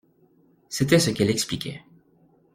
C’était ce qu’elle expliquait.